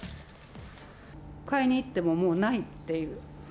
買いに行ってももうないっていう。